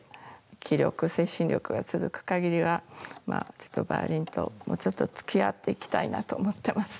気力、精神力が続くかぎりは、ちょっとバイオリンと、もうちょっとつきあっていきたいなと思っています。